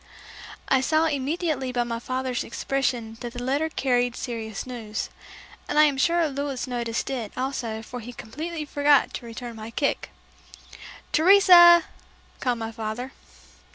I saw immediately by my father's expression that the letter carried serious news, and I am sure Louis noticed it also for he completely forgot to return my kick. "Teresa!" called my father.